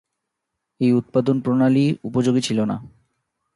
এই উৎপাদন প্রণালী উপযোগী ছিলো না।